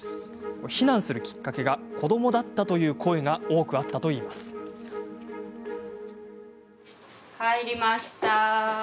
避難するきっかけが子どもだったという声が多くあったといいます。